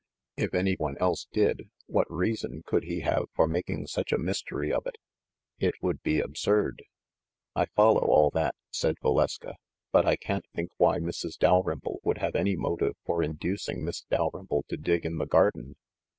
If any one else did, what reason could he have for making such a mystery of it? It would be ab surd." "I follow all that," said Valeska; "but I can't think why Mrs. Dalrymple would have any motive for in ducing Miss Dalrymple to dig in the garden."